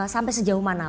sampai sejauh mana